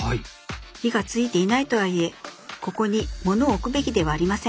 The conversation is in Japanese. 火がついていないとはいえここに物を置くべきではありません。